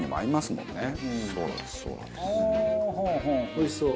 おいしそう。